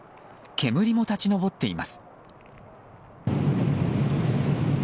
煙も立ち上っています。